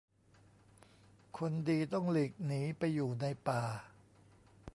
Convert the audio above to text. คนดีต้องหลีกหนีไปอยู่ในป่า